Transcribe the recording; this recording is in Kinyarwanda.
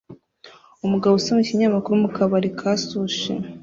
Umugabo usoma ikinyamakuru mukabari ka sushi